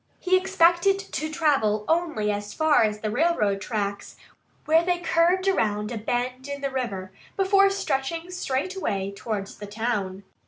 He expected to travel only as far as the railroad tracks, where they curved around a bend in the river before stretching straight away towards the town.